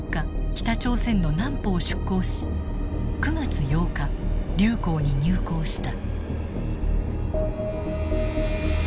北朝鮮の南浦を出港し９月８日竜口に入港した。